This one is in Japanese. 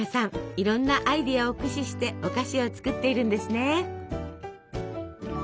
いろんなアイデアを駆使してお菓子を作っているんですね。